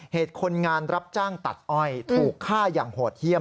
เหตุคนงานรับจ้างตัดอ้อยถูกฆ่าอย่างโหดเยี่ยม